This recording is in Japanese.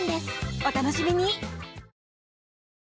お楽しみに！